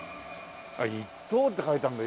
あっ１等って書いてあるんだ。